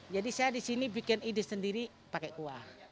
jadi saya di sini bikin idis sendiri pakai kuah